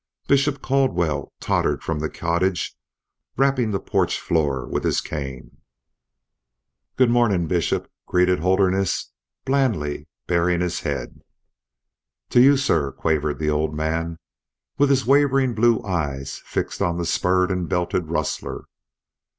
Bishop Caldwell tottered from the cottage rapping the porch floor with his cane. "Good morning, Bishop," greeted Holderness, blandly, baring his head. "To you, sir," quavered the old man, with his wavering blue eyes fixed on the spurred and belted rustler.